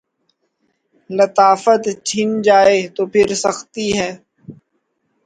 لطافت چھن جائے تو پھر سختی ہے۔